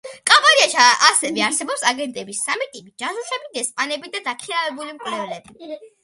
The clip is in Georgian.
კამპანიაში ასევე არსებობს აგენტების სამი ტიპი: ჯაშუშები, დესპანები და დაქირავებული მკვლელები.